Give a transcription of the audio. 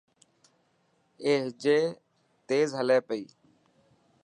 اي هجي تيز هلي پئي.